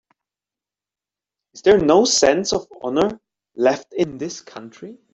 Is there no sense of honor left in this country?